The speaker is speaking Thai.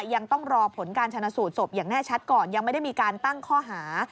ยังต้องรอผลการชนะสูตรศพอย่างแน่ชัดก่อนยังไม่ได้มีการตั้งข้อหา